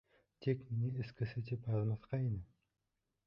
Тик мине эскесе тип яҙмаҫҡа ине.